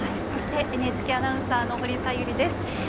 そしてＮＨＫアナウンサーの保里小百合です。